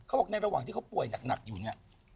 เขาบอกในระหว่างที่เขาป่วยหนักอยู่เนี่ย